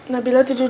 nabila tidur dulu ya